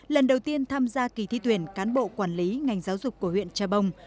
lần đầu tiên tham gia kỳ thi tuyển cán bộ quản lý ngành giáo dục của huyện trà bông